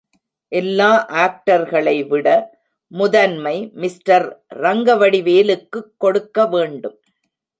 எல்லா ஆக்டர்களைவிட முதன்மை மிஸ்டர் ரங்கவடி வேலுக்குக் கொடுக்க வேண்டும்.